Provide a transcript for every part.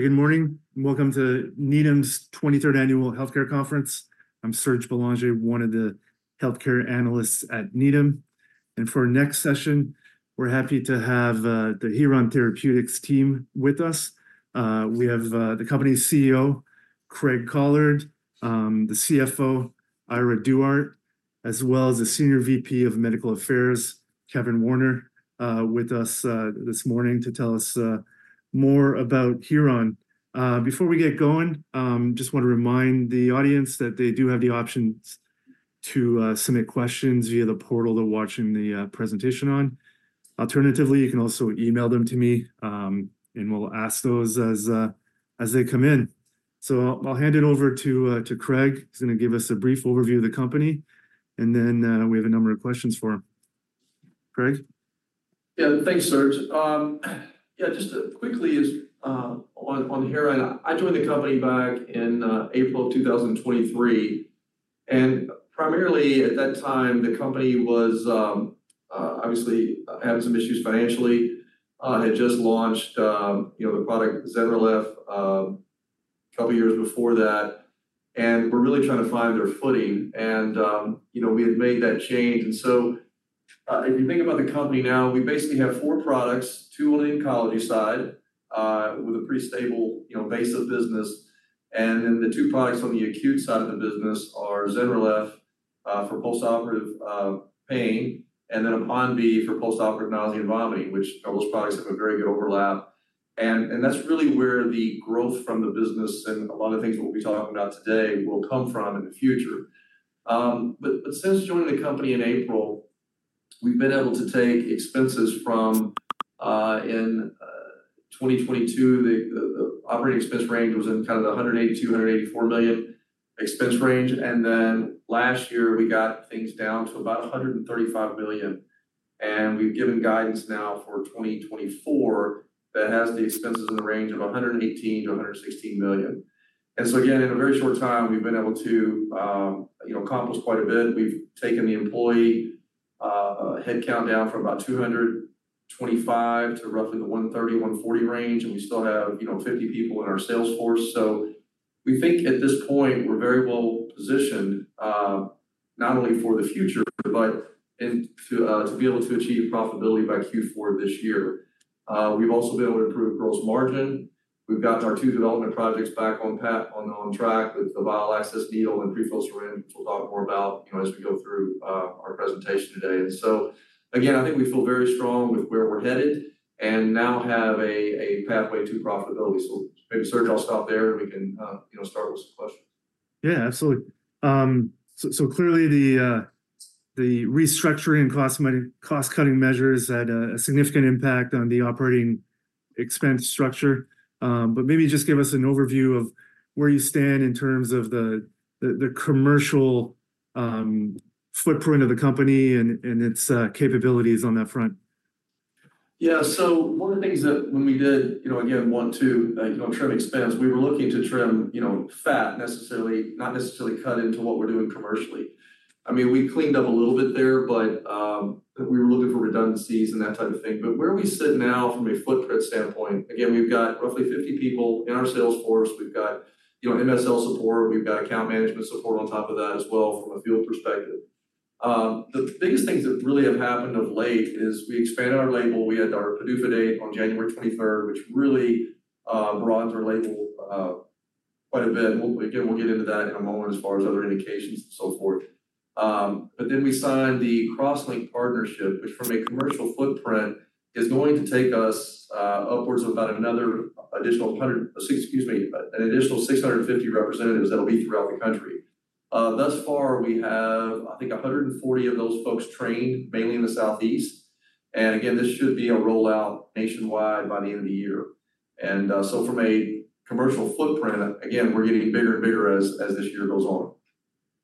Good morning, and welcome to Needham's 23rd annual healthcare conference. I'm Serge Belanger, one of the healthcare analysts at Needham. For our next session, we're happy to have the Heron Therapeutics team with us. We have the company's CEO, Craig Collard, the CFO, Ira Duarte, as well as the Senior VP of Medical Affairs, Kevin Warner, with us this morning to tell us more about Heron. Before we get going, just want to remind the audience that they do have the options to submit questions via the portal they're watching the presentation on. Alternatively, you can also email them to me, and we'll ask those as they come in. So I'll hand it over to Craig. He's gonna give us a brief overview of the company. And then, we have a number of questions for him. Craig? Yeah, thanks, Serge. Yeah, just quickly on Heron. I joined the company back in April of 2023. Primarily at that time, the company was obviously having some issues financially. It had just launched, you know, the product ZYNRELEF a couple years before that. We're really trying to find their footing. You know, we had made that change. So, if you think about the company now, we basically have four products, two on the oncology side, with a pretty stable, you know, base of business. Then the two products on the acute side of the business are ZYNRELEF for postoperative pain, and then APONVIE for postoperative nausea and vomiting, which, you know, those products have a very good overlap. That's really where the growth from the business and a lot of the things that we'll be talking about today will come from in the future. But since joining the company in April, we've been able to take expenses from, in 2022, the operating expense range was in kind of the $182 million-$184 million expense range. Then last year, we got things down to about $135 million. We've given guidance now for 2024 that has the expenses in the range of $118 million-$116 million. So again, in a very short time, we've been able to, you know, accomplish quite a bit. We've taken the employee headcount down from about 225 to roughly the 130-140 range. We still have, you know, 50 people in our sales force. So we think at this point, we're very well positioned, not only for the future, but into to be able to achieve profitability by Q4 this year. We've also been able to improve gross margin. We've gotten our two development projects back on track with the vial access needle and prefill syringe, which we'll talk more about, you know, as we go through our presentation today. And so again, I think we feel very strong with where we're headed and now have a pathway to profitability. So maybe, Serge, I'll stop there, and we can, you know, start with some questions. Yeah, absolutely. So clearly the restructuring and cost-cutting measures had a significant impact on the operating expense structure. But maybe just give us an overview of where you stand in terms of the commercial footprint of the company and its capabilities on that front. Yeah. So one of the things that when we did, you know, again, one, two, you know, trim expense, we were looking to trim, you know, fat necessarily, not necessarily cut into what we're doing commercially. I mean, we cleaned up a little bit there, but we were looking for redundancies and that type of thing. But where we sit now from a footprint standpoint, again, we've got roughly 50 people in our sales force. We've got, you know, MSL support. We've got account management support on top of that as well from a field perspective. The biggest things that really have happened of late is we expanded our label. We had our PDUFA date on January 23rd, which really broadened our label quite a bit. And we'll again, we'll get into that in a moment as far as other indications and so forth. but then we signed the CrossLink partnership, which from a commercial footprint is going to take us, upwards of about another additional 100 excuse me, an additional 650 representatives that'll be throughout the country. Thus far, we have, I think, 140 of those folks trained mainly in the Southeast. And again, this should be a rollout nationwide by the end of the year. And, so from a commercial footprint, again, we're getting bigger and bigger as, as this year goes on.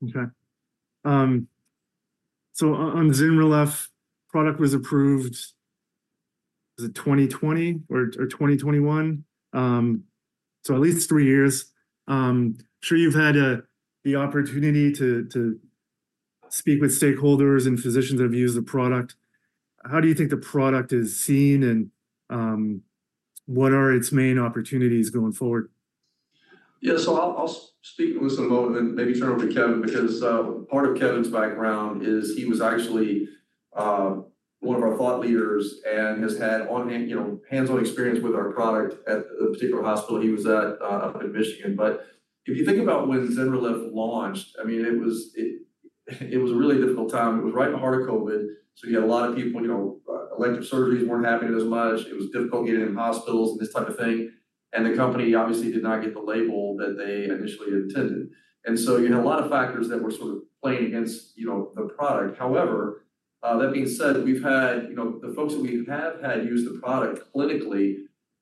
Okay. So on ZYNRELEF, product was approved. Was it 2020 or 2021? So at least three years. Sure, you've had the opportunity to speak with stakeholders and physicians that have used the product. How do you think the product is seen and what are its main opportunities going forward? Yeah, so I'll, I'll speak to this in a moment and maybe turn over to Kevin because, part of Kevin's background is he was actually, one of our thought leaders and has had on-hand, you know, hands-on experience with our product at the particular hospital he was at, up in Michigan. But if you think about when ZYNRELEF launched, I mean, it was, it, it was a really difficult time. It was right in the heart of COVID. So you had a lot of people, you know, elective surgeries weren't happening as much. It was difficult getting in hospitals and this type of thing. And the company obviously did not get the label that they initially intended. And so you had a lot of factors that were sort of playing against, you know, the product. However, that being said, we've had, you know, the folks that we have had use the product clinically.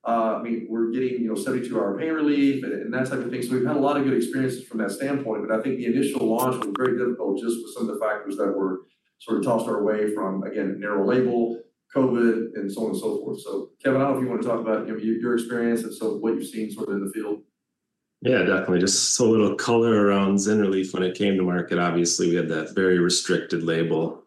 I mean, we're getting, you know, 72-hour pain relief and, and that type of thing. So we've had a lot of good experiences from that standpoint. But I think the initial launch was very difficult just with some of the factors that were sort of tossed our way from, again, narrow label, COVID, and so on and so forth. So Kevin, I don't know if you wanna talk about, you know, your, your experience and so what you've seen sort of in the field. Yeah, definitely. Just so little color around ZYNRELEF when it came to market. Obviously, we had that very restricted label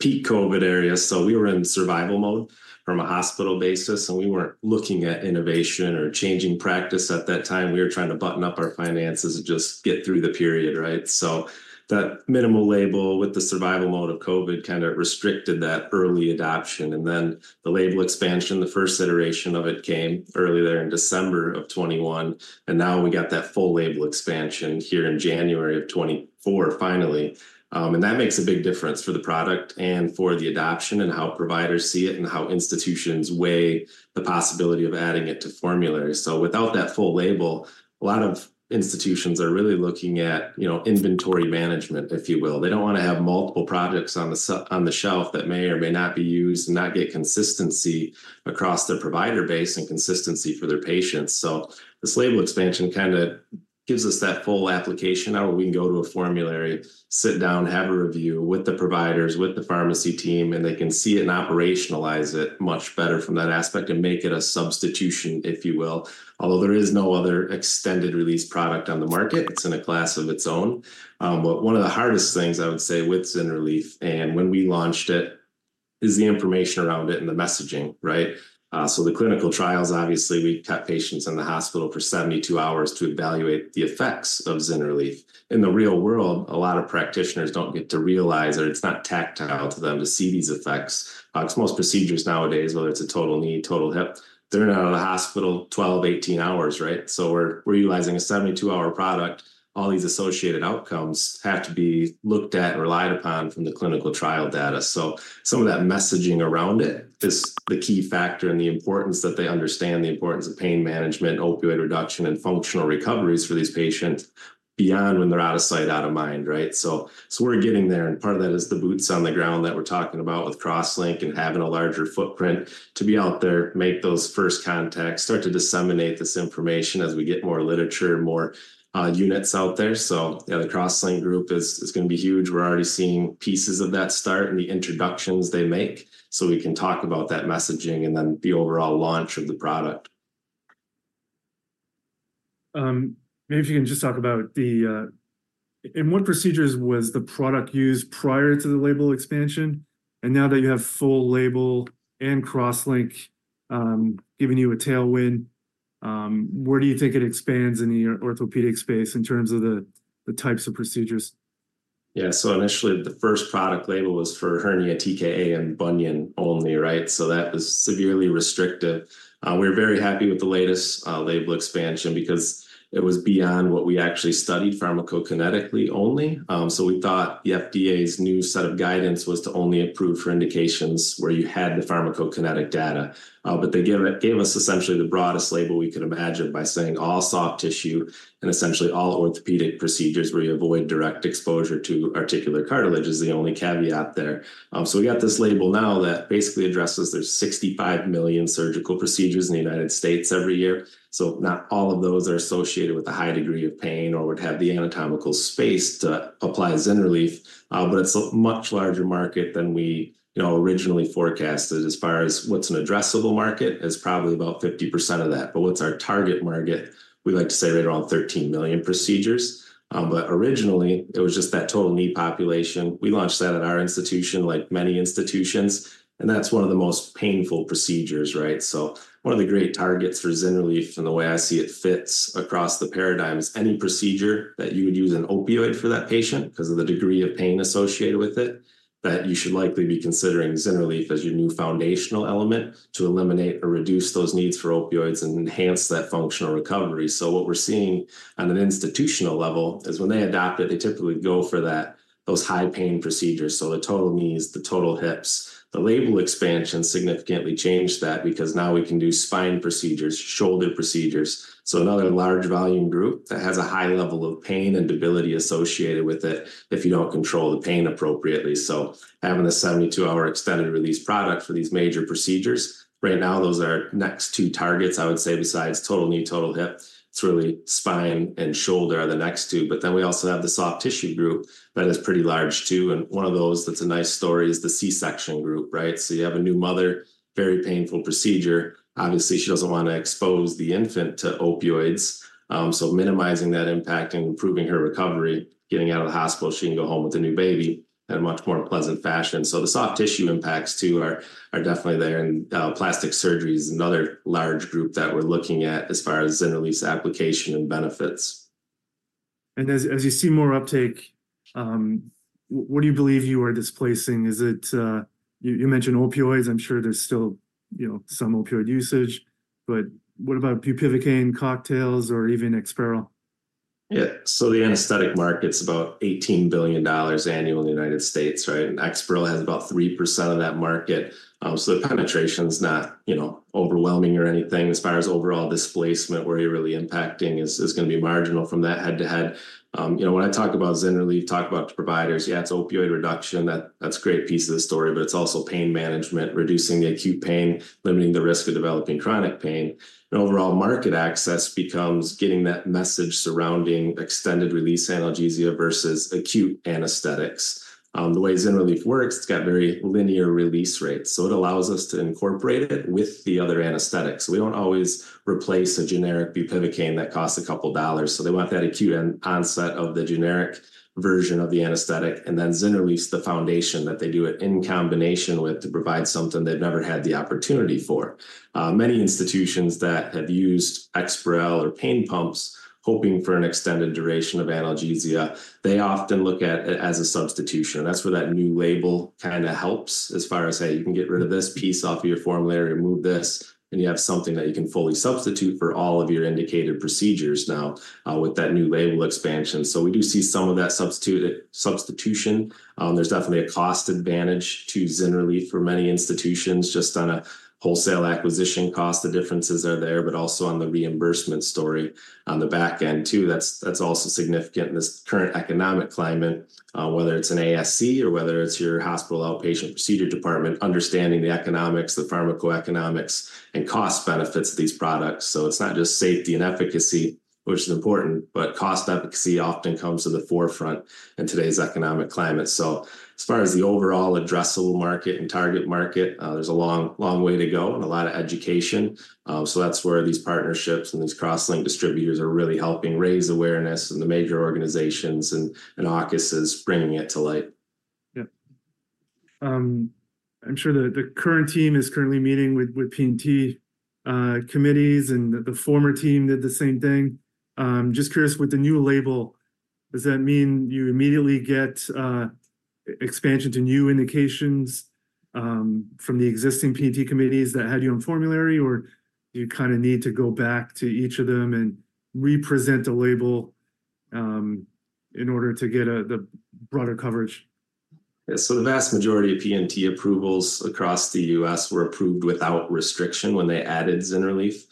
peak COVID area. So we were in survival mode from a hospital basis, and we weren't looking at innovation or changing practice at that time. We were trying to button up our finances and just get through the period, right? So that minimal label with the survival mode of COVID kind of restricted that early adoption. And then the label expansion, the first iteration of it came earlier there in December of 2021. And now we got that full label expansion here in January of 2024, finally. And that makes a big difference for the product and for the adoption and how providers see it and how institutions weigh the possibility of adding it to formulary. So without that full label, a lot of institutions are really looking at, you know, inventory management, if you will. They don't wanna have multiple products on the shelf that may or may not be used and not get consistency across their provider base and consistency for their patients. So this label expansion kind of gives us that full application of we can go to a formulary, sit down, have a review with the providers, with the pharmacy team, and they can see it and operationalize it much better from that aspect and make it a substitution, if you will. Although there is no other extended-release product on the market, it's in a class of its own. But one of the hardest things I would say with ZYNRELEF and when we launched it is the information around it and the messaging, right? So the clinical trials, obviously, we kept patients in the hospital for 72 hours to evaluate the effects of ZYNRELEF. In the real world, a lot of practitioners don't get to realize that it's not tactile to them to see these effects. 'Cause most procedures nowadays, whether it's a total knee, total hip, they're in and outta the hospital 12, 18 hours, right? So we're, we're utilizing a 72-hour product. All these associated outcomes have to be looked at and relied upon from the clinical trial data. So some of that messaging around it is the key factor and the importance that they understand the importance of pain management, opioid reduction, and functional recoveries for these patients beyond when they're outta sight, outta mind, right? So, so we're getting there. Part of that is the boots on the ground that we're talking about with CrossLink and having a larger footprint to be out there, make those first contacts, start to disseminate this information as we get more literature, more units out there. Yeah, the CrossLink group is gonna be huge. We're already seeing pieces of that start in the introductions they make so we can talk about that messaging and then the overall launch of the product. Maybe if you can just talk about the, in what procedures was the product used prior to the label expansion? And now that you have full label and CrossLink, giving you a tailwind, where do you think it expands in the orthopedic space in terms of the, the types of procedures? Yeah. So initially, the first product label was for hernia TKA and bunion only, right? So that was severely restrictive. We were very happy with the latest label expansion because it was beyond what we actually studied pharmacokinetically only. So we thought the FDA's new set of guidance was to only approve for indications where you had the pharmacokinetic data. But they gave it, gave us essentially the broadest label we could imagine by saying all soft tissue and essentially all orthopedic procedures where you avoid direct exposure to articular cartilage is the only caveat there. So we got this label now that basically addresses there's 65 million surgical procedures in the United States every year. So not all of those are associated with a high degree of pain or would have the anatomical space to apply ZYNRELEF. But it's a much larger market than we, you know, originally forecasted. As far as what's an addressable market is probably about 50% of that. But what's our target market? We like to say right around 13 million procedures. But originally it was just that total knee population. We launched that at our institution, like many institutions. And that's one of the most painful procedures, right? So one of the great targets for ZYNRELEF and the way I see it fits across the paradigm is any procedure that you would use an opioid for that patient 'cause of the degree of pain associated with it that you should likely be considering ZYNRELEF as your new foundational element to eliminate or reduce those needs for opioids and enhance that functional recovery. So what we're seeing on an institutional level is when they adopt it, they typically go for those high pain procedures. So the total knees, the total hips, the label expansion significantly changed that because now we can do spine procedures, shoulder procedures. So another large volume group that has a high level of pain and debility associated with it if you don't control the pain appropriately. So having a 72-hour extended-release product for these major procedures, right now, those are our next two targets, I would say, besides total knee, total hip. It's really spine and shoulder are the next two. But then we also have the soft tissue group that is pretty large too. And one of those that's a nice story is the C-section group, right? So you have a new mother, very painful procedure. Obviously, she doesn't wanna expose the infant to opioids. So minimizing that impact and improving her recovery, getting outta the hospital, she can go home with a new baby in a much more pleasant fashion. So the soft tissue impacts too are definitely there. Plastic surgery is another large group that we're looking at as far as ZYNRELEF's application and benefits. And as you see more uptake, what do you believe you are displacing? Is it, you mentioned opioids. I'm sure there's still, you know, some opioid usage. But what about bupivacaine cocktails or even EXPAREL? Yeah. So the anesthetic market's about $18 billion annual in the United States, right? And EXPAREL has about 3% of that market. So the penetration's not, you know, overwhelming or anything. As far as overall displacement, where you're really impacting is, is gonna be marginal from that head-to-head. You know, when I talk about ZYNRELEF, talk about providers, yeah, it's opioid reduction. That, that's a great piece of the story. But it's also pain management, reducing the acute pain, limiting the risk of developing chronic pain. And overall market access becomes getting that message surrounding extended-release analgesia versus acute anesthetics. The way ZYNRELEF works, it's got very linear release rates. So it allows us to incorporate it with the other anesthetics. So we don't always replace a generic bupivacaine that costs a couple dollars. So they want that acute onset of the generic version of the anesthetic and then ZYNRELEF, the foundation that they do it in combination with to provide something they've never had the opportunity for. Many institutions that have used EXPAREL or pain pumps hoping for an extended duration of analgesia, they often look at it as a substitution. And that's where that new label kinda helps as far as, hey, you can get rid of this piece off of your formulary, remove this, and you have something that you can fully substitute for all of your indicated procedures now, with that new label expansion. So we do see some of that substitute, substitution. There's definitely a cost advantage to ZYNRELEF for many institutions just on a wholesale acquisition cost. The differences are there, but also on the reimbursement story on the backend too. That's, that's also significant in this current economic climate, whether it's an ASC or whether it's your hospital outpatient procedure department, understanding the economics, the pharmacoeconomics, and cost benefits of these products. So it's not just safety and efficacy, which is important, but cost efficacy often comes to the forefront in today's economic climate. So as far as the overall addressable market and target market, there's a long, long way to go and a lot of education. So that's where these partnerships and these CrossLink distributors are really helping raise awareness and the major organizations and, and AAOS is bringing it to light. Yep. I'm sure the current team is currently meeting with P&T committees and the former team did the same thing. Just curious with the new label, does that mean you immediately get expansion to new indications from the existing P&T committees that had you on formulary, or do you kinda need to go back to each of them and represent a label in order to get the broader coverage? Yeah. So the vast majority of P&T approvals across the U.S. were approved without restriction when they added ZYNRELEF.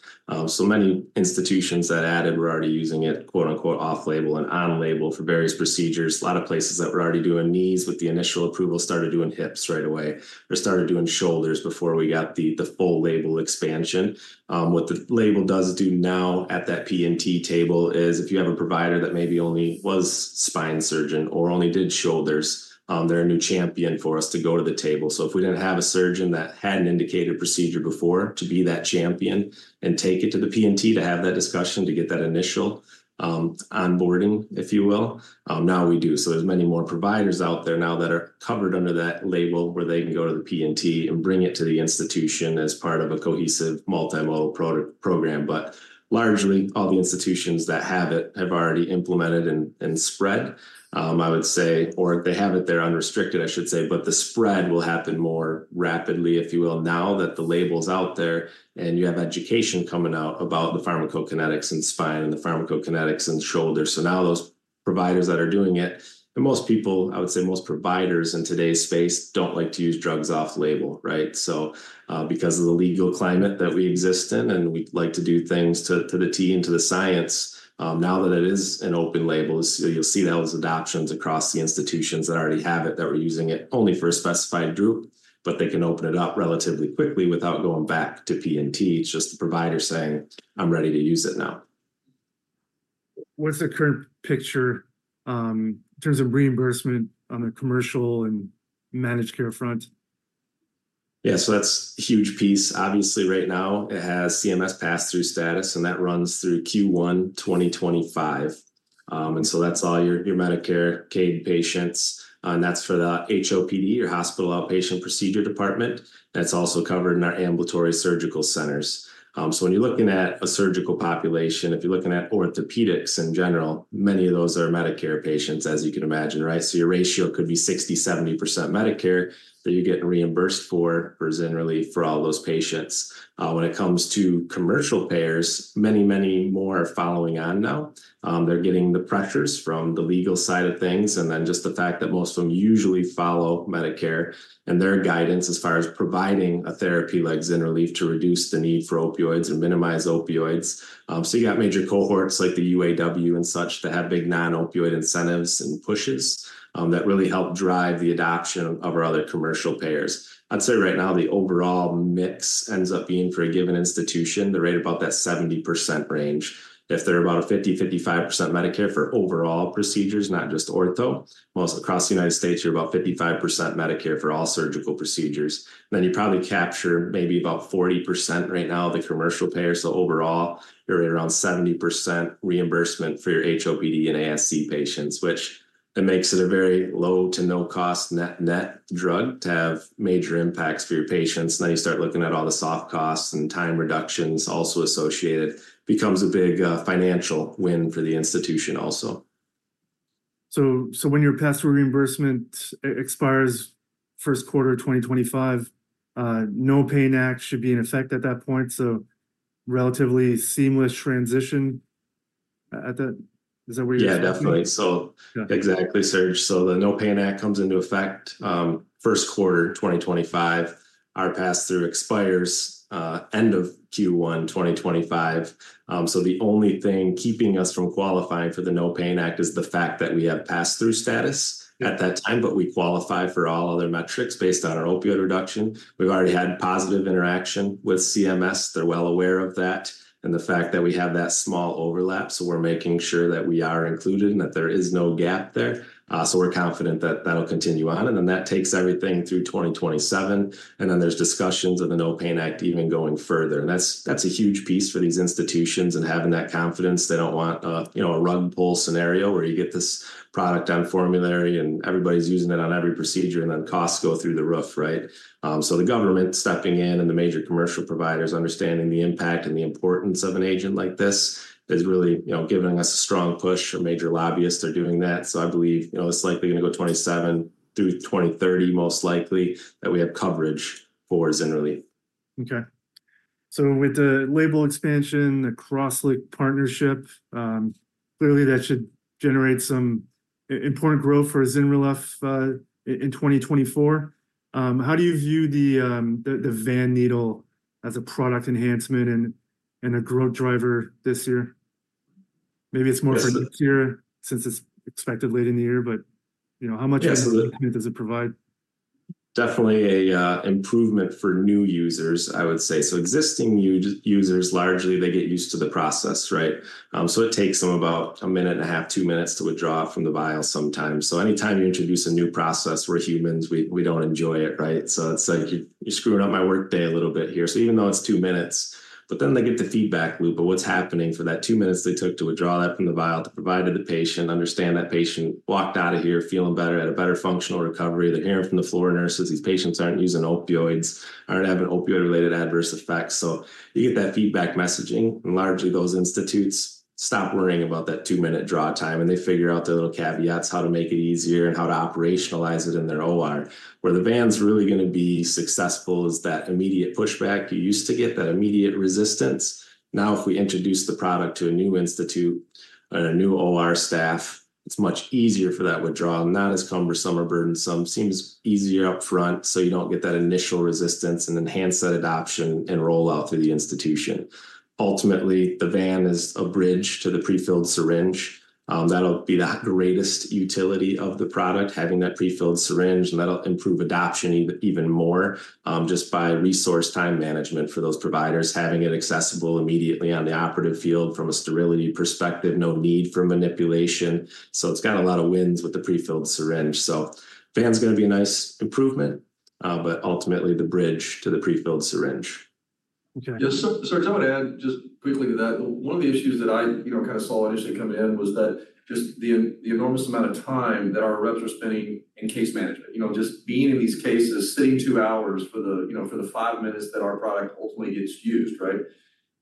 So many institutions that added were already using it, quote-unquote, off-label and on-label for various procedures. A lot of places that were already doing knees with the initial approval started doing hips right away or started doing shoulders before we got the full label expansion. What the label does do now at that P&T table is if you have a provider that maybe only was spine surgeon or only did shoulders, they're a new champion for us to go to the table. So if we didn't have a surgeon that had an indicated procedure before to be that champion and take it to the P&T to have that discussion, to get that initial onboarding, if you will, now we do. So there's many more providers out there now that are covered under that label where they can go to the P&T and bring it to the institution as part of a cohesive multimodal product program. But largely all the institutions that have it have already implemented and spread, I would say, or they have it, they're unrestricted, I should say. But the spread will happen more rapidly, if you will, now that the label's out there and you have education coming out about the pharmacokinetics in spine and the pharmacokinetics in shoulders. So now those providers that are doing it, and most people, I would say most providers in today's space don't like to use drugs off-label, right? So, because of the legal climate that we exist in and we like to do things to a T and to the science, now that it is an open label, you'll see those adoptions across the institutions that already have it, that we're using it only for a specified group, but they can open it up relatively quickly without going back to P&T. It's just the provider saying, "I'm ready to use it now. What's the current picture, in terms of reimbursement on the commercial and managed care front? Yeah. So that's a huge piece. Obviously, right now it has CMS pass-through status, and that runs through Q1 2025. So that's all your, your Medicare CADE patients. That's for the HOPD, your hospital outpatient procedure department. That's also covered in our ambulatory surgical centers. So when you're looking at a surgical population, if you're looking at orthopedics in general, many of those are Medicare patients, as you can imagine, right? So your ratio could be 60%-70% Medicare that you're getting reimbursed for, for ZYNRELEF for all those patients. When it comes to commercial payers, many, many more are following on now. They're getting the pressures from the legal side of things and then just the fact that most of 'em usually follow Medicare and their guidance as far as providing a therapy like ZYNRELEF to reduce the need for opioids and minimize opioids. So you got major cohorts like the UAW and such that have big non-opioid incentives and pushes, that really help drive the adoption of our other commercial payers. I'd say right now the overall mix ends up being for a given institution, the rate about that 70% range. If they're about a 50%-55% Medicare for overall procedures, not just ortho. Most across the United States, you're about 55% Medicare for all surgical procedures. Then you probably capture maybe about 40% right now of the commercial payers. So overall, you're at around 70% reimbursement for your HOPD and ASC patients, which makes it a very low to no cost net, net drug to have major impacts for your patients. Then you start looking at all the soft costs and time reductions also associated, becomes a big financial win for the institution also. So when your pass-through reimbursement expires first quarter of 2025, NOPAIN Act should be in effect at that point. So relatively seamless transition at that. Is that what you're saying? Yeah, definitely. So exactly, Serge. So the NOPAIN Act comes into effect, first quarter 2025. Our pass-through expires, end of Q1 2025. So the only thing keeping us from qualifying for the NOPAIN Act is the fact that we have pass-through status at that time, but we qualify for all other metrics based on our opioid reduction. We've already had positive interaction with CMS. They're well aware of that and the fact that we have that small overlap. So we're making sure that we are included and that there is no gap there. So we're confident that that'll continue on. And then that takes everything through 2027. And then there's discussions of the NOPAIN Act even going further. And that's, that's a huge piece for these institutions and having that confidence. They don't want, you know, a rug pull scenario where you get this product on formulary and everybody's using it on every procedure and then costs go through the roof, right? So the government stepping in and the major commercial providers understanding the impact and the importance of an agent like this is really, you know, giving us a strong push. Our major lobbyists, they're doing that. So I believe, you know, it's likely gonna go 2027 through 2030, most likely that we have coverage for ZYNRELEF. Okay. So with the label expansion, the CrossLink partnership, clearly that should generate some important growth for ZYNRELEF in 2024. How do you view the VAN as a product enhancement and a growth driver this year? Maybe it's more for next year since it's expected late in the year, but you know, how much enhancement does it provide? Definitely an improvement for new users, I would say. So existing users, largely, they get used to the process, right? So it takes 'em about 1.5 minutes, 2 minutes to withdraw from the vial sometimes. So anytime you introduce a new process, we're humans. We, we don't enjoy it, right? So it's like you're, you're screwing up my workday a little bit here. So even though it's 2 minutes, but then they get the feedback loop of what's happening for that 2 minutes they took to withdraw that from the vial, to provide to the patient, understand that patient walked outta here, feeling better, had a better functional recovery. They're hearing from the floor nurses. These patients aren't using opioids, aren't having opioid-related adverse effects. So you get that feedback messaging and largely those institutes stop worrying about that two-minute draw time and they figure out their little caveats, how to make it easier and how to operationalize it in their OR. Where the VAN's really gonna be successful is that immediate pushback you used to get, that immediate resistance. Now if we introduce the product to a new institute and a new OR staff, it's much easier for that withdrawal, not as cumbersome or burdensome. Seems easier upfront. So you don't get that initial resistance and enhanced set adoption and rollout through the institution. Ultimately, the VAN is a bridge to the prefilled syringe. That'll be the greatest utility of the product, having that prefilled syringe, and that'll improve adoption even, even more, just by resource time management for those providers, having it accessible immediately on the operative field from a sterility perspective, no need for manipulation. So it's got a lot of wins with the prefilled syringe. So VAN's gonna be a nice improvement, but ultimately the bridge to the prefilled syringe. Okay. Yeah. So, sir, I would add just quickly to that, one of the issues that I, you know, kind of saw initially coming in was that just the enormous amount of time that our reps are spending in case management, you know, just being in these cases, sitting 2 hours for the, you know, for the 5 minutes that our product ultimately gets used, right?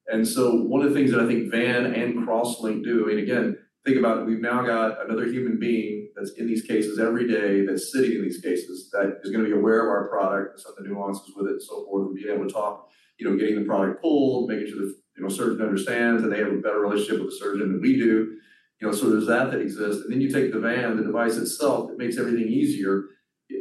And so one of the things that I think VAN and CrossLink do, and again, think about it, we've now got another human being that's in these cases every day that's sitting in these cases that is gonna be aware of our product and some of the nuances with it and so forth and being able to talk, you know, getting the product pulled, making sure the, you know, surgeon understands and they have a better relationship with the surgeon than we do, you know, so there's that that exists. And then you take the VAN, the device itself that makes everything easier.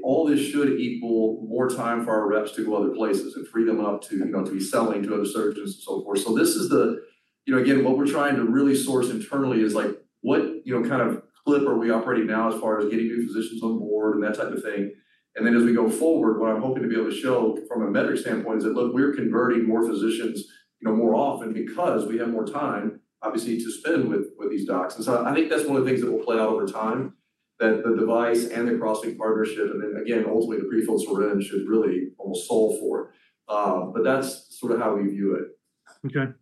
All this should equal more time for our reps to go other places and free them up to, you know, to be selling to other surgeons and so forth. So this is the, you know, again, what we're trying to really source internally is like, what, you know, kind of clip are we operating now as far as getting new physicians on board and that type of thing? And then as we go forward, what I'm hoping to be able to show from a metric standpoint is that, look, we're converting more physicians, you know, more often because we have more time, obviously, to spend with, with these docs. And so I think that's one of the things that will play out over time, that the device and the CrossLink partnership, and then again, ultimately the prefilled syringe should really almost solve for it. But that's sort of how we view it. Okay.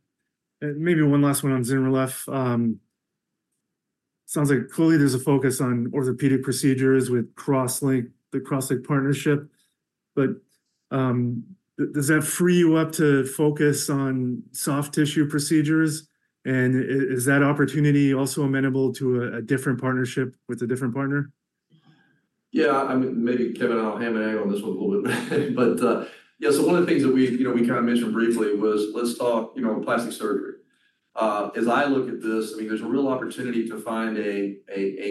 And maybe one last one on ZYNRELEF. Sounds like clearly there's a focus on orthopedic procedures with CrossLink, the CrossLink partnership. But, does that free you up to focus on soft tissue procedures? And is that opportunity also amenable to a, a different partnership with a different partner? Yeah. I mean, maybe Kevin and I'll hammer and angle on this one a little bit. But, yeah. So one of the things that we, you know, we kind of mentioned briefly was let's talk, you know, plastic surgery. As I look at this, I mean, there's a real opportunity to find a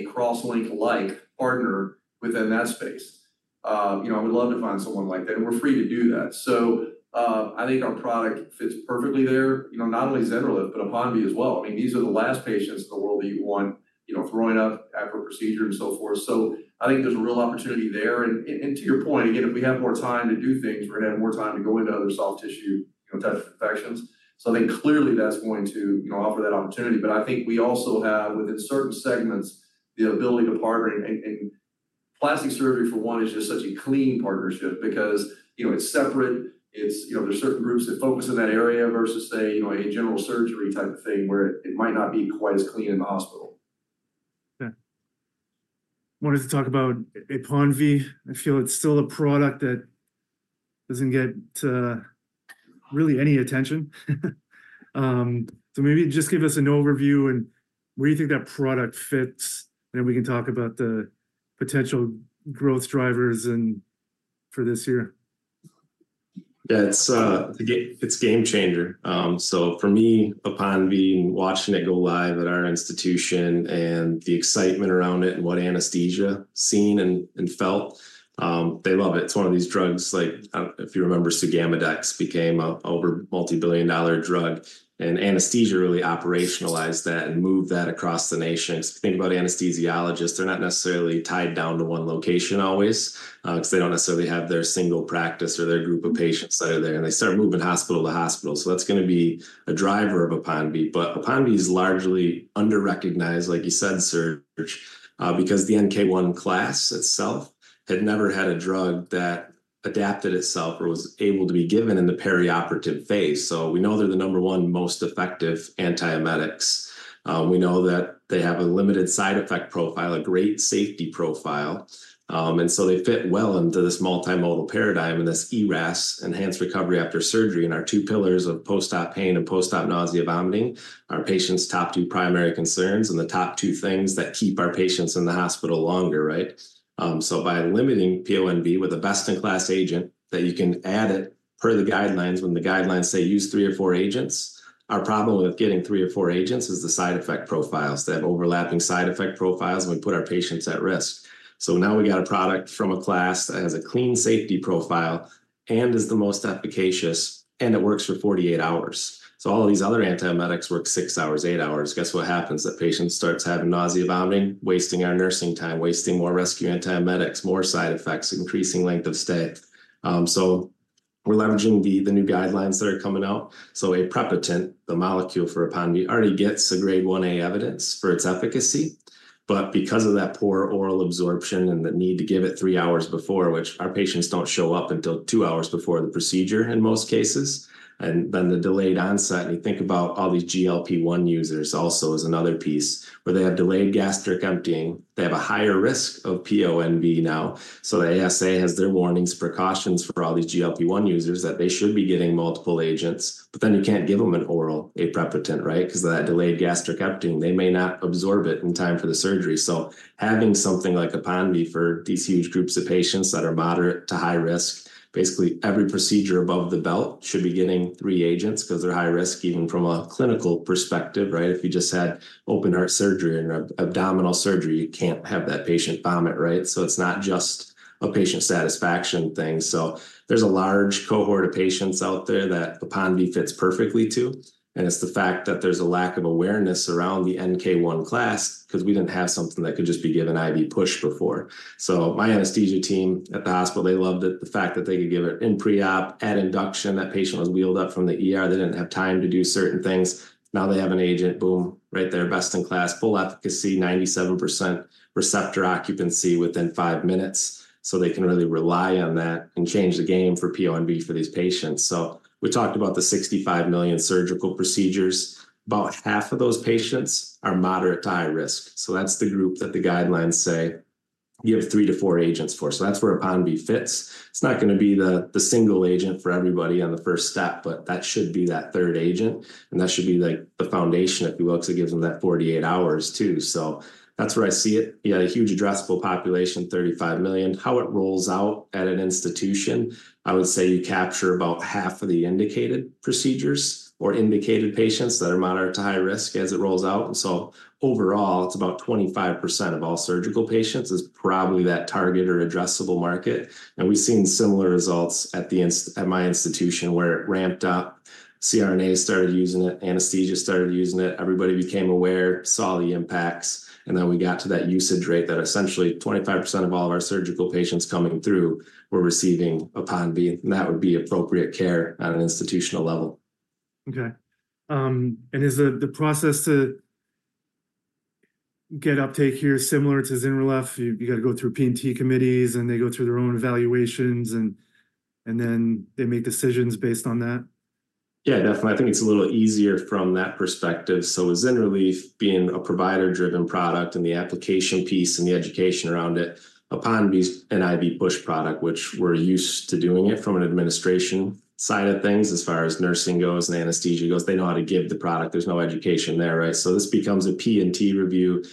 CrossLink-like partner within that space. You know, I would love to find someone like that, and we're free to do that. So, I think our product fits perfectly there, you know, not only ZYNRELEF, but APONVIE as well. I mean, these are the last patients in the world that you want, you know, throwing up after a procedure and so forth. So I think there's a real opportunity there. And to your point, again, if we have more time to do things, we're gonna have more time to go into other soft tissue, you know, type of infections. So I think clearly that's going to, you know, offer that opportunity. But I think we also have within certain segments the ability to partner and plastic surgery for one is just such a clean partnership because, you know, it's separate. It's, you know, there's certain groups that focus in that area versus, say, you know, a general surgery type of thing where it might not be quite as clean in the hospital. Okay. Wanted to talk about UponV. I feel it's still a product that doesn't get to really any attention. So maybe just give us an overview and where you think that product fits, and then we can talk about the potential growth drivers for this year. Yeah. It's a game changer. So for me, APONVIE and watching it go live at our institution and the excitement around it and what anesthesia seen and felt, they love it. It's one of these drugs, like, I don't know if you remember, Sugammadex became a multibillion-dollar drug, and anesthesia really operationalized that and moved that across the nation. 'Cause if you think about anesthesiologists, they're not necessarily tied down to one location always, 'cause they don't necessarily have their single practice or their group of patients that are there, and they start moving hospital to hospital. So that's gonna be a driver of APONVIE. But APONVIE is largely underrecognized, like you said, Serge, because the NK1 class itself had never had a drug that adapted itself or was able to be given in the perioperative phase. So we know they're the number one most effective antiemetics. We know that they have a limited side effect profile, a great safety profile. And so they fit well into this multimodal paradigm and this ERAS, enhanced recovery after surgery, and our two pillars of post-op pain and post-op nausea vomiting, our patients' top two primary concerns and the top two things that keep our patients in the hospital longer, right? So by limiting PONV with a best-in-class agent that you can add it per the guidelines when the guidelines say use three or four agents, our problem with getting three or four agents is the side effect profiles. They have overlapping side effect profiles when we put our patients at risk. So now we got a product from a class that has a clean safety profile and is the most efficacious, and it works for 48 hours. So all of these other antiemetics work 6 hours, 8 hours. Guess what happens? That patient starts having nausea vomiting, wasting our nursing time, wasting more rescue antiemetics, more side effects, increasing length of stay. So we're leveraging the new guidelines that are coming out. So aprepitant, the molecule for UponV, already gets the grade 1 A evidence for its efficacy. But because of that poor oral absorption and the need to give it 3 hours before, which our patients don't show up until 2 hours before the procedure in most cases, and then the delayed onset, and you think about all these GLP-1 users also is another piece where they have delayed gastric emptying. They have a higher risk of PONV now. So the ASA has their warnings, precautions for all these GLP-1 users that they should be getting multiple agents, but then you can't give 'em an oral aprepitant, right? 'Cause of that delayed gastric emptying, they may not absorb it in time for the surgery. So having something like UponV for these huge groups of patients that are moderate to high risk, basically every procedure above the belt should be getting three agents 'cause they're high risk even from a clinical perspective, right? If you just had open heart surgery and abdominal surgery, you can't have that patient vomit, right? So it's not just a patient satisfaction thing. So there's a large cohort of patients out there that UponV fits perfectly to. And it's the fact that there's a lack of awareness around the NK1 class 'cause we didn't have something that could just be given IV push before. So my anesthesia team at the hospital, they loved it. The fact that they could give it in preop, at induction, that patient was wheeled up from the. They didn't have time to do certain things. Now they have an agent, boom, right there, best-in-class, full efficacy, 97% receptor occupancy within five minutes. So they can really rely on that and change the game for PONV for these patients. So we talked about the 65 million surgical procedures. About half of those patients are moderate to high risk. So that's the group that the guidelines say give three to four agents for. So that's where APONVIE fits. It's not gonna be the, the single agent for everybody on the first step, but that should be that third agent. And that should be like the foundation if you will, 'cause it gives 'em that 48 hours too. So that's where I see it. Yeah. A huge addressable population, 35 million. How it rolls out at an institution, I would say you capture about half of the indicated procedures or indicated patients that are moderate to high risk as it rolls out. And so overall, it's about 25% of all surgical patients is probably that target or addressable market. And we've seen similar results at the, at my institution where it ramped up, CRNA started using it, anesthesia started using it, everybody became aware, saw the impacts, and then we got to that usage rate that essentially 25% of all of our surgical patients coming through were receiving UponV, and that would be appropriate care on an institutional level. Okay. Is the process to get uptake here similar to ZYNRELEF? You gotta go through P&T committees and they go through their own evaluations and then they make decisions based on that? Yeah, definitely. I think it's a little easier from that perspective. So with ZYNRELEF being a provider-driven product and the application piece and the education around it, APONVIE's an IV push product, which we're used to doing it from an administration side of things as far as nursing goes and anesthesia goes, they know how to give the product. There's no education there, right? So this becomes a P&T review,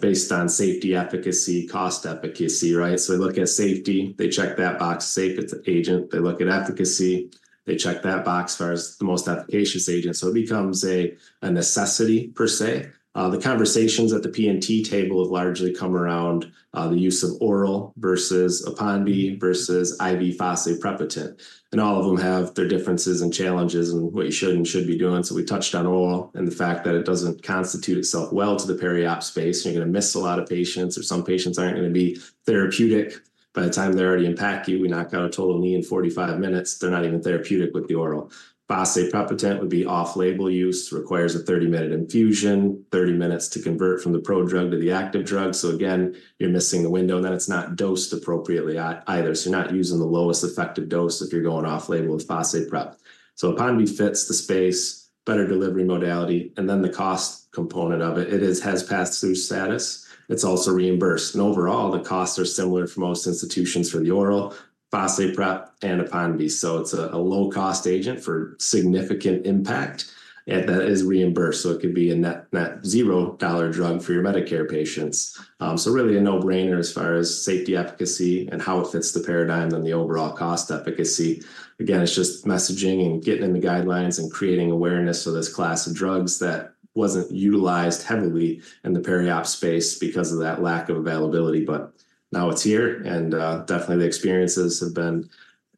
based on safety, efficacy, cost efficacy, right? So they look at safety, they check that box, safe NK1 agent. They look at efficacy, they check that box as far as the most efficacious agent. So it becomes a, a necessity per se. The conversations at the P&T table have largely come around, the use of oral versus APONVIE versus IV fosaprepitant. And all of 'em have their differences and challenges and what you should and shouldn't be doing. So we touched on oral and the fact that it doesn't constitute itself well to the periop space, and you're gonna miss a lot of patients or some patients aren't gonna be therapeutic by the time they're already in PACU. We knock out a total knee in 45 minutes. They're not even therapeutic with the oral. Fosaprepitant would be off-label use, requires a 30-minute infusion, 30 minutes to convert from the pro-drug to the active drug. So again, you're missing the window, and then it's not dosed appropriately either. So you're not using the lowest effective dose if you're going off-label with fosaprepitant. So APONVIE fits the space, better delivery modality, and then the cost component of it, it is, has pass-through status. It's also reimbursed. And overall, the costs are similar for most institutions for the oral, fosaprepitant, and APONVIE. So it's a low-cost agent for significant impact, and that is reimbursed. So it could be a net-net $0 drug for your Medicare patients. So really a no-brainer as far as safety, efficacy, and how it fits the paradigm and the overall cost efficacy. Again, it's just messaging and getting in the guidelines and creating awareness of this class of drugs that wasn't utilized heavily in the periop space because of that lack of availability. But now it's here, and definitely the experiences have been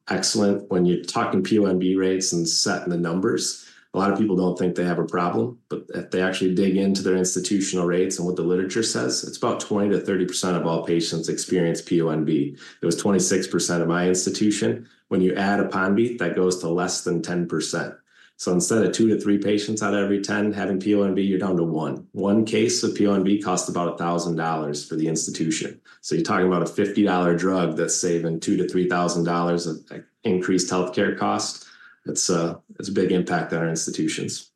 excellent when you're talking PONV rates and setting the numbers. A lot of people don't think they have a problem, but if they actually dig into their institutional rates and what the literature says, it's about 20%-30% of all patients experience PONV. It was 26% of my institution. When you add UponV, that goes to less than 10%. So instead of two to three patients outta every 10 having PONV, you're down to one. One case of PONV costs about $1,000 for the institution. So you're talking about a $50 drug that's saving $2,000-$3,000 of increased healthcare cost. It's a big impact on our institutions.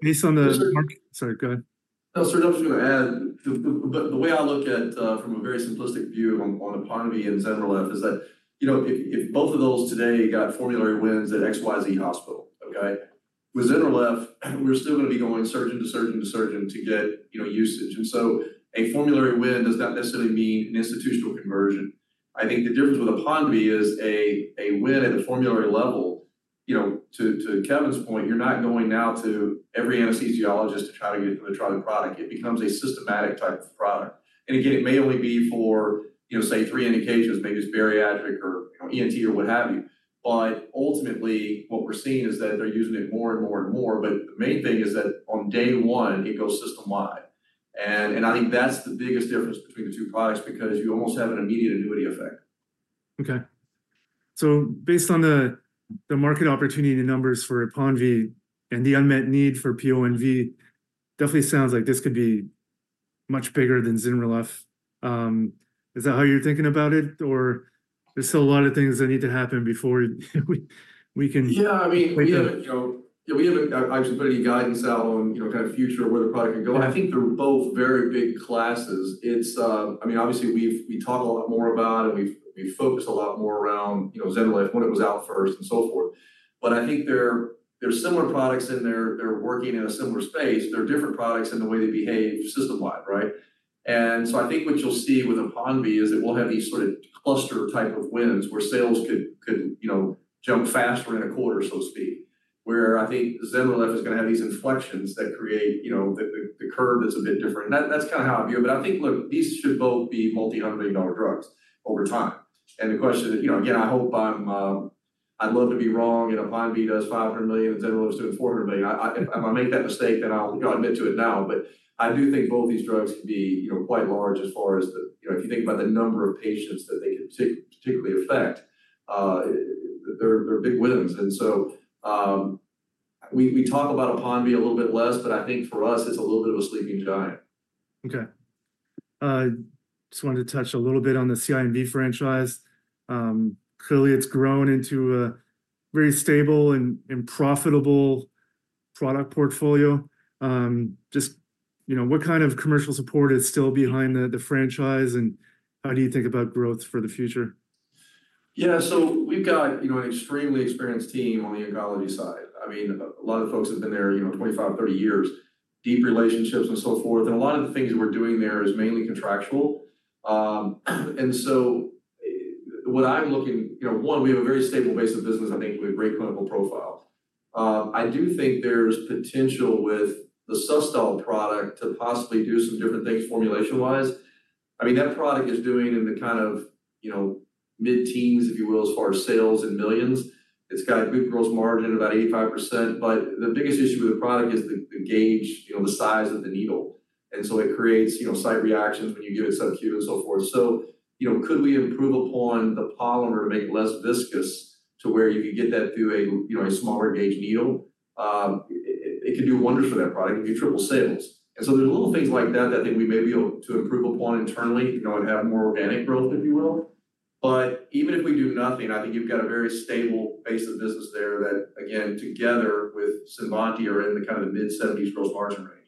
Based on the market, sorry, go ahead. No, sir, I was just gonna add, but the way I look at, from a very simplistic view on APONVIE and ZYNRELEF is that, you know, if both of those today got formulary wins at XYZ hospital, okay, with ZYNRELEF, we're still gonna be going surgeon to surgeon to surgeon to get, you know, usage. And so a formulary win does not necessarily mean an institutional conversion. I think the difference with APONVIE is a win at the formulary level. You know, to Kevin's point, you're not going now to every anesthesiologist to try to get them to try the product. It becomes a systematic type of product. And again, it may only be for, you know, say, three indications. Maybe it's bariatric or, you know, ENT or what have you. But ultimately, what we're seeing is that they're using it more and more and more. But the main thing is that on day one, it goes system-wide. And, and I think that's the biggest difference between the two products because you almost have an immediate annuity effect. Okay. So based on the market opportunity and numbers for UponV and the unmet need for PONV, definitely sounds like this could be much bigger than ZYNRELEF. Is that how you're thinking about it, or there's still a lot of things that need to happen before we can? Yeah. I mean, we haven't, you know, yeah, we haven't actually put any guidance out on, you know, kind of future where the product could go. I think they're both very big classes. It's, I mean, obviously we've, we talk a lot more about it, and we've, we've focused a lot more around, you know, ZYNRELEF, when it was out first and so forth. But I think there're, there's similar products in there. They're working in a similar space. They're different products in the way they behave system-wide, right? And so I think what you'll see with APONVIE is it will have these sort of cluster type of wins where sales could, could, you know, jump faster in a quarter, so to speak, where I think ZYNRELEF is gonna have these inflections that create, you know, the, the, the curve that's a bit different. And that, that's kind of how I view it. But I think, look, these should both be multi-hundred million dollar drugs over time. And the question is, you know, again, I hope I'm, I'd love to be wrong and UponV does $500 million and ZYNRELEF's doing $400 million. I, I, if I make that mistake, then I'll, you know, admit to it now. But I do think both these drugs could be, you know, quite large as far as the, you know, if you think about the number of patients that they could particularly affect, they're, they're big wins. And so, we, we talk about UponV a little bit less, but I think for us, it's a little bit of a sleeping giant. Okay. Just wanted to touch a little bit on the CINV franchise. Clearly, it's grown into a very stable and profitable product portfolio. Just, you know, what kind of commercial support is still behind the franchise and how do you think about growth for the future? Yeah. So we've got, you know, an extremely experienced team on the oncology side. I mean, a lot of the folks have been there, you know, 25, 30 years, deep relationships and so forth. And a lot of the things that we're doing there is mainly contractual. And so what I'm looking, you know, one, we have a very stable base of business. I think we have a great clinical profile. I do think there's potential with the SUSTOL product to possibly do some different things formulation-wise. I mean, that product is doing in the kind of, you know, mid-teens, if you will, as far as sales and millions. It's got a good gross margin, about 85%. But the biggest issue with the product is the, the gauge, you know, the size of the needle. And so it creates, you know, site reactions when you give it subcu and so forth. So, you know, could we improve upon the polymer to make it less viscous to where you could get that through a, you know, a smaller gauge needle? It could do wonders for that product. It could triple sales. And so there's little things like that that I think we may be able to improve upon internally, you know, and have more organic growth, if you will. But even if we do nothing, I think you've got a very stable base of business there that, again, together with CINVANTI, are in the kind of the mid-70s gross margin range.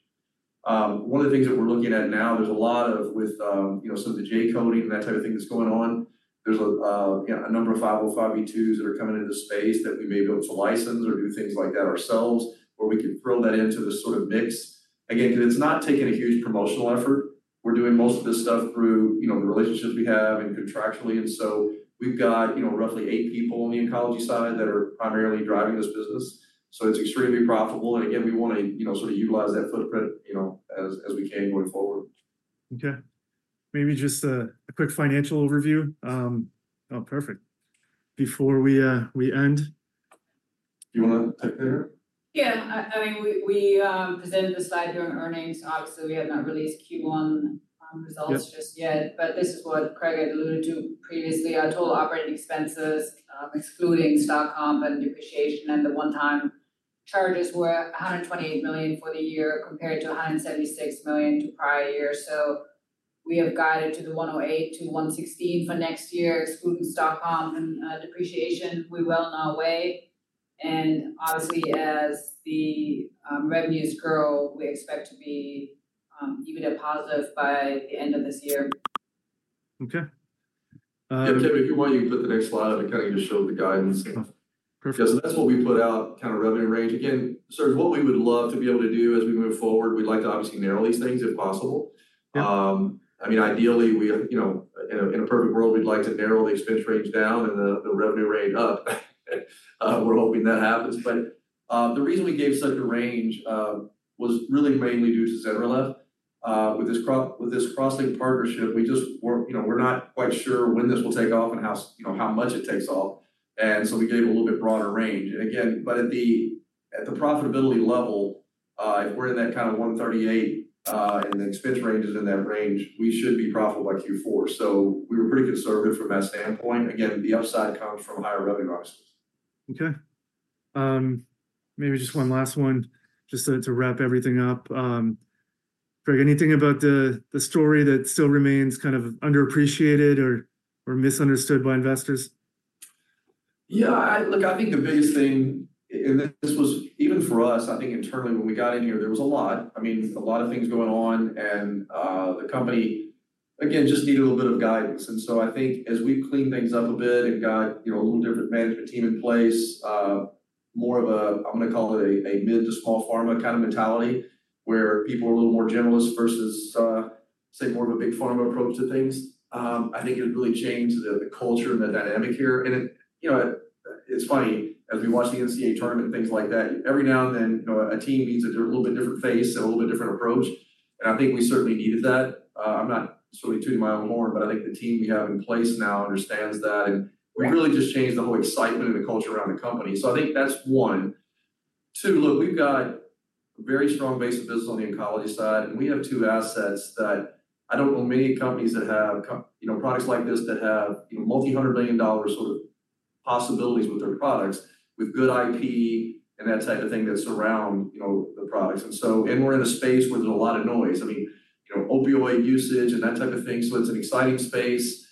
One of the things that we're looking at now, there's a lot of with, you know, some of the J-code and that type of thing that's going on. There's, you know, a number of 505(b)(2)s that are coming into the space that we may be able to license or do things like that ourselves where we could throw that into this sort of mix. Again, 'cause it's not taking a huge promotional effort. We're doing most of this stuff through, you know, the relationships we have and contractually. And so we've got, you know, roughly eight people on the oncology side that are primarily driving this business. So it's extremely profitable. And again, we wanna, you know, sort of utilize that footprint, you know, as we can going forward. Okay. Maybe just a quick financial overview. Oh, perfect. Before we end. Do you wanna take that? Yeah. I mean, we presented the slide during earnings. Obviously, we have not released Q1 results just yet, but this is what Craig had alluded to previously. Our total operating expenses, excluding stock comp and depreciation and the one-time charges, were $128 million for the year compared to $176 million to prior year. So we have guided to the $108 million-$116 million for next year, excluding stock comp and depreciation. We will now weigh. And obviously, as the revenues grow, we expect to be even a positive by the end of this year. Okay. Yeah, Kevin, if you want, you can put the next slide up. It kind of just shows the guidance. Perfect. Yeah. So that's what we put out, kind of revenue range. Again, sir, what we would love to be able to do as we move forward, we'd like to obviously narrow these things if possible. I mean, ideally, we, you know, in a, in a perfect world, we'd like to narrow the expense range down and the, the revenue range up. We're hoping that happens. But the reason we gave such a range was really mainly due to ZYNRELEF. With this CrossLink partnership, we just weren't, you know, we're not quite sure when this will take off and how, you know, how much it takes off. And so we gave a little bit broader range. And again, but at the, at the profitability level, if we're in that kind of $138, and the expense range is in that range, we should be profitable by Q4. We were pretty conservative from that standpoint. Again, the upside comes from higher revenue, obviously. Okay. Maybe just one last one, just to, to wrap everything up. Craig, anything about the, the story that still remains kind of underappreciated or, or misunderstood by investors? Yeah. Look, I think the biggest thing, and this was even for us, I think internally when we got in here, there was a lot. I mean, a lot of things going on, and the company, again, just needed a little bit of guidance. And so I think as we've cleaned things up a bit and got, you know, a little different management team in place, more of a, I'm gonna call it a, a mid to small pharma kind of mentality where people are a little more generalist versus, say, more of a big pharma approach to things, I think it has really changed the, the culture and the dynamic here. And it, you know, it's funny, as we watch the NCAA tournament and things like that, every now and then, you know, a team means a little bit different face and a little bit different approach. I think we certainly needed that. I'm not certainly tooting my own horn, but I think the team we have in place now understands that. We've really just changed the whole excitement and the culture around the company. So I think that's one. Two, look, we've got a very strong base of business on the oncology side, and we have two assets that I don't know many companies that have few, you know, products like this that have, you know, multi-hundred million dollars sort of possibilities with their products with good IP and that type of thing that surround, you know, the products. And so, and we're in a space where there's a lot of noise. I mean, you know, opioid usage and that type of thing. So it's an exciting space.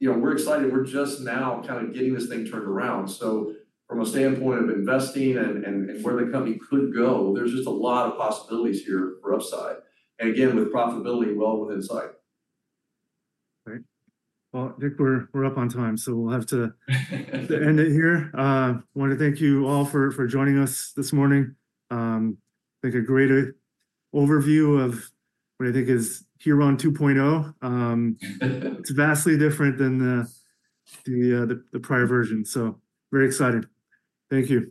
You know, we're excited. We're just now kind of getting this thing turned around. So from a standpoint of investing and where the company could go, there's just a lot of possibilities here for upside. And again, with profitability, well within sight. All right. Well, Dick, we're up on time, so we'll have to end it here. Wanna thank you all for joining us this morning. I think a greater overview of what I think is Heron 2.0. It's vastly different than the prior version. So very exciting. Thank you.